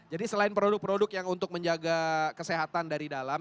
jadi selain produk produk yang untuk menjaga kesehatan dari dalam